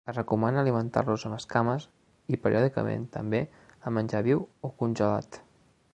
Es recomana alimentar-los amb escames, i periòdicament també amb menjar viu o congelat.